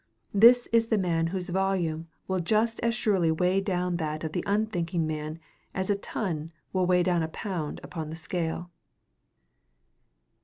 This is the man whose volume will just as surely weigh down that of the unthinking man as a ton will weigh down a pound in the scale.